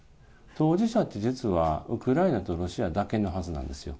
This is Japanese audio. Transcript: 当事者って実はウクライナとロシアだけのはずなんですよ。